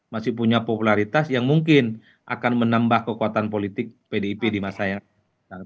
masih punya popularitas yang mungkin akan menambah kekuatan politik pdip di masa yang akan datang